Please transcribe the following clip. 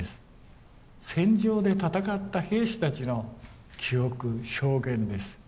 戦場で戦った兵士たちの記憶証言です。